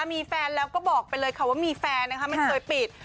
มีแฟนแล้วก็บอกไปเลยค่ะว่ามีแฟนนะคะไม่เคยปิด